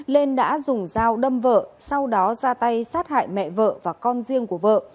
lên đã dùng dao đâm vợ sau đó ra tay sát hại mẹ vợ và con riêng của vợ